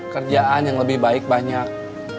kerjaan yang lebih baik banyak